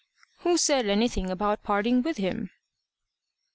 "Who said anything about parting with him?"